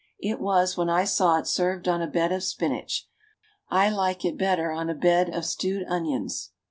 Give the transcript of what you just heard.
It was, when I saw it, served on a bed of spinach. I like it better on a bed of stewed onions.